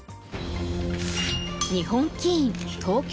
日本棋院東京